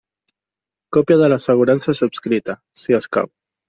Còpia de l'assegurança subscrita, si escau.